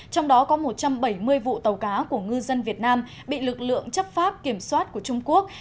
trong đó có một trăm bảy mươi vụ tàu cá của ngư dân việt nam bị lực lượng chấp pháp kiểm soát của trung quốc